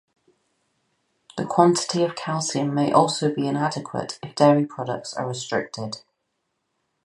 The quantity of calcium may also be inadequate if dairy products are restricted.